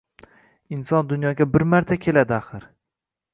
Inson dunyoga bir marta keladi, axir